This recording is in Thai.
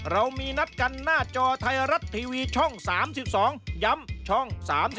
เรามีนัดกันหน้าจอไทยรัฐทีวีช่อง๓๒ย้ำช่อง๓๒